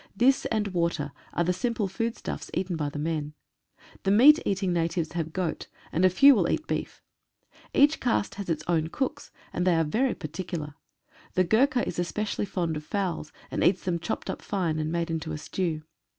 This and water are the simple foodstuffs eaten by the men. The meat eating natives have goat, and a few will eat beef. Each caste has its own cooks, and they are very particular. The Gurkha is especially fond of fowls, and eats them chopped up fine and made into a stew.